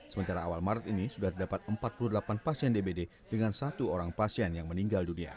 sementara awal maret ini sudah terdapat empat puluh delapan pasien dbd dengan satu orang pasien yang meninggal dunia